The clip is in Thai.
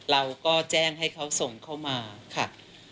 เราก็แจ้งให้เขาส่งเข้ามาค่ะ